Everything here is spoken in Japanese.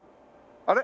あれ？